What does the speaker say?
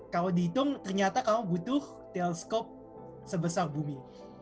kalau dihitung ternyata kamu butuh teleskop sebesar bumi